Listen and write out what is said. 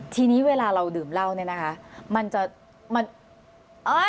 ทีนี้เวลาเราดื่มเหล้ามันจะ